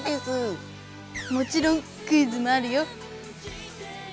もちろんクイズもあるよ。